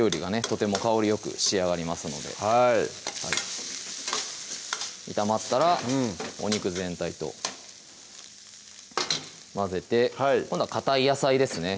とても香りよく仕上がりますのではい炒まったらお肉全体と混ぜて今度はかたい野菜ですね